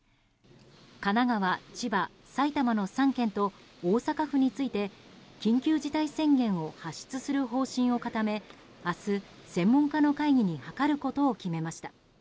神奈川、千葉、埼玉の３県と大阪府について緊急事態宣言を発出する方針を固め明日、専門家の会議に諮ることを決めました。